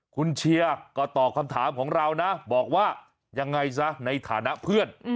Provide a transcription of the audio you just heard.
คุณเชียร์ก็ตอบคำถามของเรานะบอกว่ายังไงซะในฐานะเพื่อน